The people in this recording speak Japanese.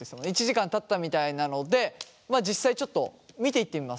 １時間たったみたいなので実際ちょっと見ていってみますか。